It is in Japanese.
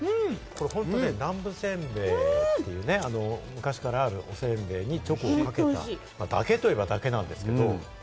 これ南部せんべいに、昔からあるせんべいにチョコをかけただけといえば、だけなんですけど。